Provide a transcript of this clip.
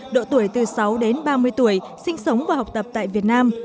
độ tuổi từ sáu đến ba mươi tuổi sinh sống và học tập tại việt nam